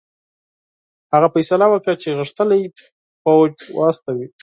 هغه فیصله وکړه چې غښتلی پوځ واستوي.